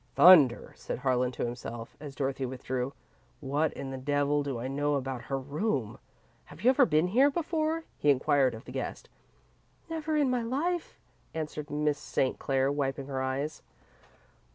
"Thunder," said Harlan to himself, as Dorothy withdrew. "What in the devil do I know about 'her room'? Have you ever been here before?" he inquired of the guest. "Never in my life," answered Miss St. Clair, wiping her eyes.